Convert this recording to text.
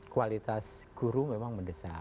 kualitas guru memang mendesak